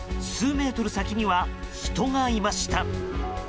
数メートル先には人がいました。